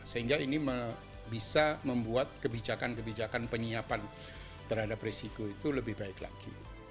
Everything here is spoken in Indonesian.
sehingga ini bisa membuat kebijakan kebijakan penyiapan terhadap risiko itu lebih baik lagi